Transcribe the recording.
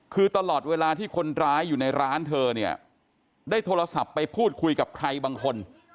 คือตลอดเวลาที่คนร้ายอยู่ในร้านเธอเนี่ยได้โทรศัพท์ไปพูดคุยกับใครบางคน